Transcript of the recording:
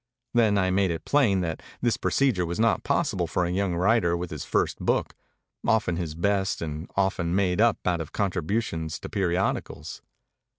Then I made it plain that this procedure was not possible for a young writer with his first book, often his best and often made up out of contributions to periodicals.